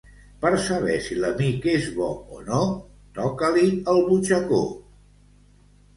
Per saber si l'amic és bo o no, toca-li el butxacó.